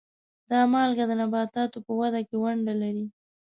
دا مالګه د نباتاتو په وده کې ونډه لري.